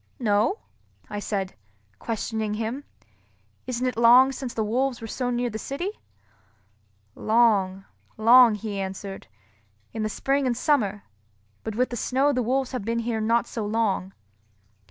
"No?" I said, questioning him. "Isn't it long since the wolves were so near the city?" "Long, long," he answered, "in the spring and summer; but with the snow the wolves have been here not so long."